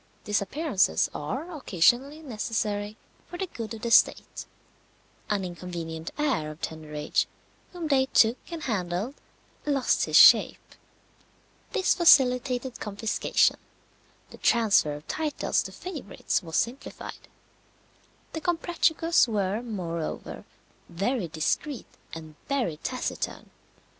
Disappearances are occasionally necessary for the good of the state. An inconvenient heir of tender age whom they took and handled lost his shape. This facilitated confiscation; the tranfer of titles to favourites was simplified. The Comprachicos were, moreover, very discreet and very taciturn.